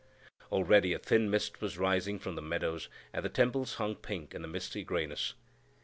Already a thin mist was rising from the meadows, and the temples hung pink in the misty grayness.